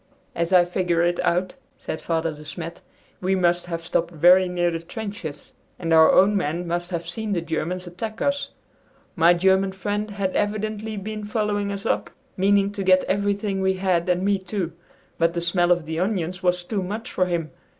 "As I figure it out," said Father De Smet, "we must have stopped very near the trenches, and our own men must have seen the Germans attack us. My German friend had evidently been following us up, meaning to get everything we had and me too. But the smell of the onions was too much for him!